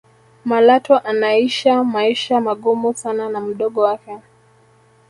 malatwa anaisha maisha magumu sana na mdogo wake